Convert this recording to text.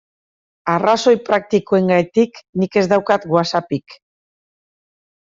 Arrazoi praktikoengatik nik ez daukat WhatsAppik.